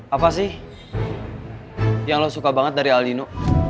apa sih yang lo suka banget dari aldino